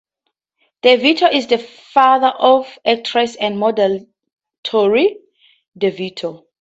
DeVitto is the father of actress and model Torrey DeVitto.